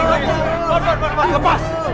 udah udah udah